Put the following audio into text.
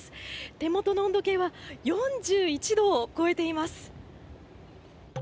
手元の温度計は４１度を超えています。